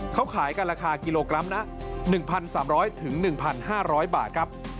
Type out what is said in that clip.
เขาขายกันราคากิโลกรัมละ๑๓๐๐๑๕๐๐บาทครับ